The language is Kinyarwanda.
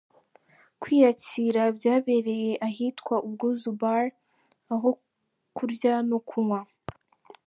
Kwiyakira byabereye ahitwa Ubwuzu Bar aho kurya no kunywa